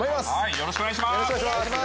よろしくお願いします